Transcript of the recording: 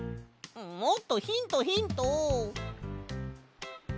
もっとヒントヒント！